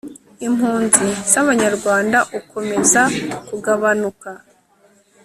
impunzi z'abanyarwanda ukomeza kugabanuka